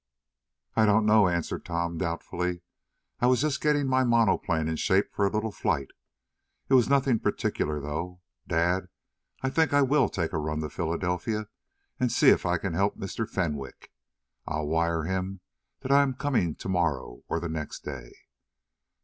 "I don't know," answered Tom, doubtfully. "I was just getting my monoplane in shape for a little flight. It was nothing particular, though. Dad, I think I WILL take a run to Philadelphia, and see if I can help Mr. Fenwick. I'll wire him that I am coming, to morrow or next day."